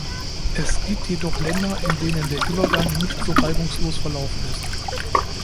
Es gibt jedoch Länder, in denen der Übergang nicht so reibungslos verlaufen ist.